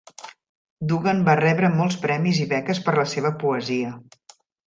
Dugan va rebre molts premis i beques per la seva poesia.